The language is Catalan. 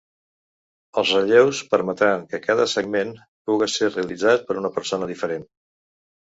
Els relleus permetran que cada segment puga ser realitzat per una persona diferent.